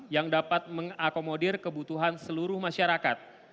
yang dapat mengakomodir kebutuhan seluruh masyarakat